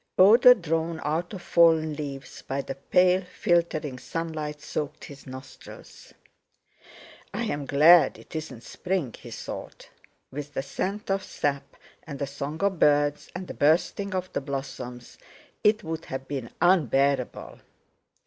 Odour drawn out of fallen leaves by the pale filtering sunlight soaked his nostrils. "I'm glad it isn't spring," he thought. With the scent of sap, and the song of birds, and the bursting of the blossoms, it would have been unbearable!